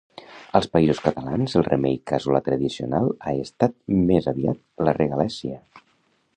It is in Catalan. Als Països Catalans el remei casolà tradicional ha estat més aviat la regalèssia.